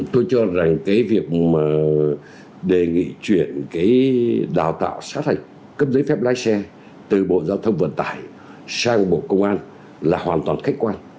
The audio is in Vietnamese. tôi cho rằng cái việc mà đề nghị chuyển cái đào tạo sát hạch cấp giấy phép lái xe từ bộ giao thông vận tải sang bộ công an là hoàn toàn khách quan